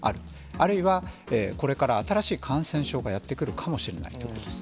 あるいは、これから新しい感染症がやって来るかもしれないということです。